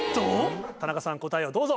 田中さん答えをどうぞ。